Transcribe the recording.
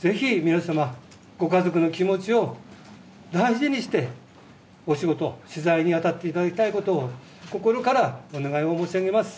ぜひ皆様、ご家族の気持ちを大事にして、お仕事、取材に当たっていただきたいことを、心からお願いを申し上げます。